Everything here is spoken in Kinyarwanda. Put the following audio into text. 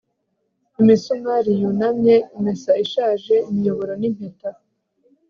imisumari yunamye, imesa ishaje, imiyoboro n'impeta